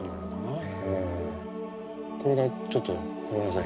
これがちょっとごめんなさい